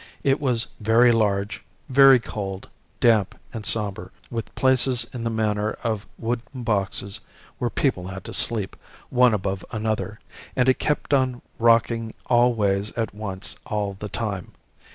It was very large, very cold, damp and sombre, with places in the manner of wooden boxes where people had to sleep, one above another, and it kept on rocking all ways at once all the time.